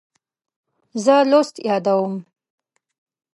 زه لوست یادوم.